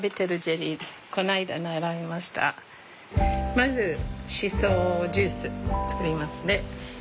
まずシソジュース作りますね。